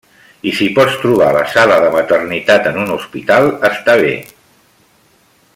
I si pots trobar la sala de maternitat en un hospital, està bé.